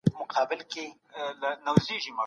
افغانان د هغه د قربانۍ او زړورتیا قدر کول.